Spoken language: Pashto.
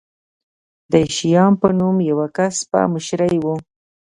د شیام په نوم د یوه کس په مشرۍ و.